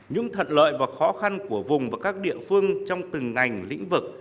những thật lợi và khó khăn của vùng và các địa phương trong từng ngành lĩnh vực